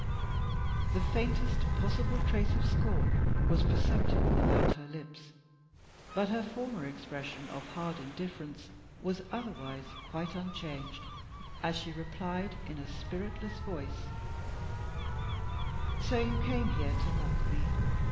The faintest possible trace of scorn was perceptible about her lips, but her former expression of hard indifference was otherwise quite unchanged as she replied, in a spiritless voice "So you came here to mock me?